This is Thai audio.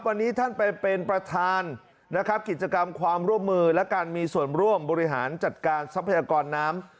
วันนี้ท่านไปเป็นประธานนะครับกิจกรรมความร่วมมือและการมีส่วนร่วมบริหารจัดการทรัพยากรน้ำ